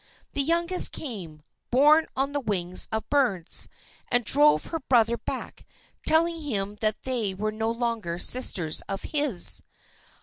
The youngest came, borne on the wings of birds, and drove her brother back, telling him that they were no longer sisters of his.